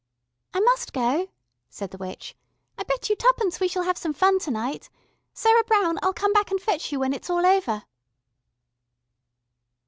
"I must go," said the witch. "I bet you twopence we shall have some fun to night. Sarah Brown, I'll come back and fetch you when it's all over."